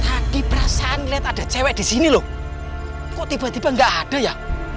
tadi perasaan ada cewek disini loh kok tiba tiba nggak ada ya